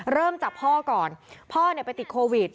เริ่มจากพ่อก่อนพ่อไปติดโควิด